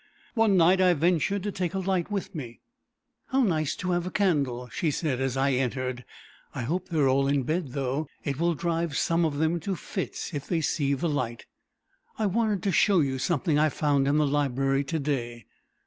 One night I ventured to take a light with me. "How nice to have a candle!" she said as I entered. "I hope they are all in bed, though. It will drive some of them into fits if they see the light." "I wanted to show you something I found in the library to day."